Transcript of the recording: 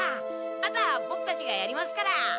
あとはボクたちがやりますから。